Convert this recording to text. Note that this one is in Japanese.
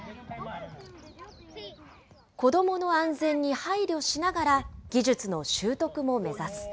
子どもの安全に配慮しながら、技術の習得も目指す。